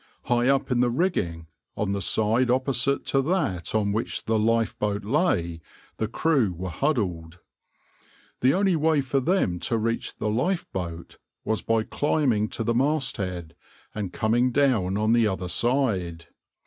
High up in the rigging, on the side opposite to that on which the lifeboat lay, the crew were huddled. The only way for them to reach the lifeboat was by climbing to the masthead and coming down on the other side.